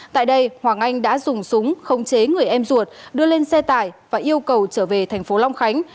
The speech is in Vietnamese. tại đây hoàng anh đã dùng súng không chế người em ruột đưa lên xe tải và yêu cầu trở về tp long khánh